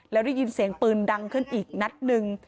แล้วได้ยินเสียงปืนดังขึ้นอีกนัดหนึ่ง